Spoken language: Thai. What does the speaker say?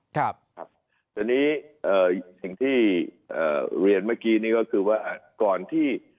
อย่างที่เรียนเมื่อกี้ก็คือว่าก่อนที่